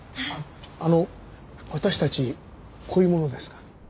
あの私たちこういう者ですが。